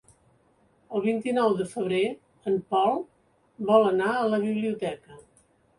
El vint-i-nou de febrer en Pol vol anar a la biblioteca.